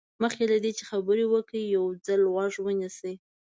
مخکې له دې چې خبرې وکړئ یو ځل غوږ ونیسئ.